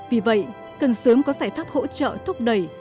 vì vậy cần sớm có giải pháp hỗ trợ thúc đẩy